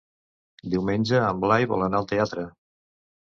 Diumenge en Blai vol anar al teatre.